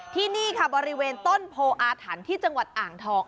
ที่นี่ค่ะบริเวณต้นโพออาถรรพ์ที่จังหวัดอ่างทอง